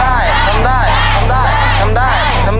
ได้ได้ได้ได้ได้